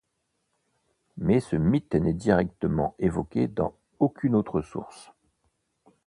Mais ce mythe n'est directement évoqué dans aucune autre source.